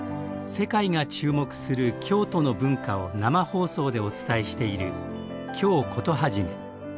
世界が注目する京都の文化を生放送でお伝えしている「京コトはじめ」。